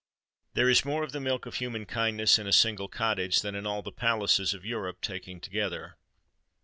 There is more of the milk of human kindness in a single cottage than in all the palaces of Europe taken together.